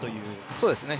そうですね。